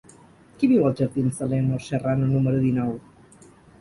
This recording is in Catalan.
Qui viu als jardins de Leonor Serrano número dinou?